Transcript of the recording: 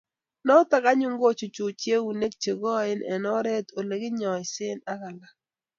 Noto anyun kochuchuchi eunek che koen eng oret Ole kinyoise ak alak